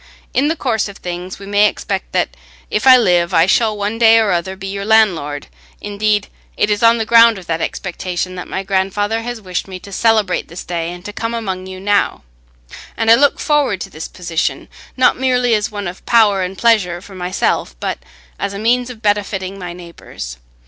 In the course of things we may expect that, if I live, I shall one day or other be your landlord; indeed, it is on the ground of that expectation that my grandfather has wished me to celebrate this day and to come among you now; and I look forward to this position, not merely as one of power and pleasure for myself, but as a means of benefiting my neighbours.